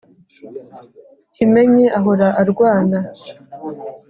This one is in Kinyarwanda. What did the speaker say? kimenyi ahora arwana,